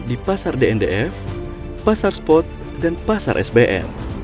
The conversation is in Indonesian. di pasar dndf pasar spot dan pasar sbl